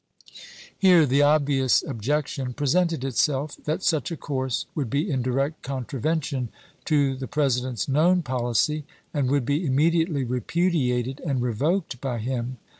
Here the obvious objection presented itself, that such a course would be in direct contravention to the President's known policy, and would be im mediately repudiated and revoked by him.